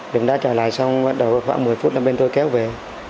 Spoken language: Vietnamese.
lụm đá chạy lại xong bắt đầu khoảng một mươi phút là bên tôi kéo về